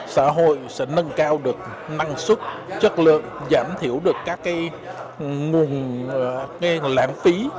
xã hội sẽ nâng cao được năng suất chất lượng giảm thiểu được các nguồn lãng phí